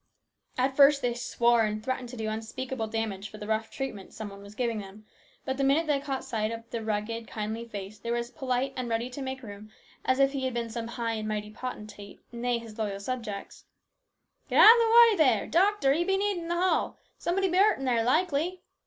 At first they swore, and threatened to do unspeakable damage for the rough treatment some one was giving them, but the minute they caught sight of the rugged, 266 ins BROTHER'S KEEPER. kindly face they were as polite and ready to make room as if he had been some high and mighty potentate, and they his loyal subjects. " Get out of the way there ! Doctor, he be needed in the hall. Some one be hurt in there likely